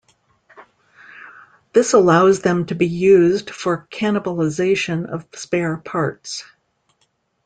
This allows them to be used for cannibalization of spare parts.